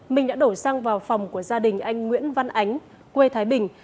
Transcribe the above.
mình đã đổ xăng vào phòng của gia đình anh nguyễn văn ánh quê thái bình